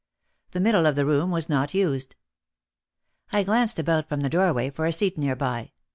The middle of the room was not used. I glanced about from the doorway for a seat nearby.